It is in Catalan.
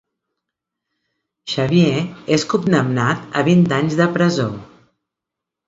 Xavier és condemnat a vint anys de presó.